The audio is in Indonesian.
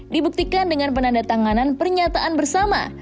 dibuktikan dengan penanda tanganan pernyataan bersama